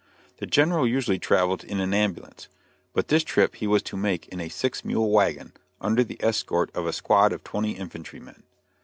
The General usually traveled in an ambulance, but this trip he was to make in a six mule wagon, under the escort of a squad of twenty infantrymen.